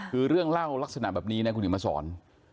คือเรื่องเล่าลักษณะแบบนี้มีครึ่งมาสอน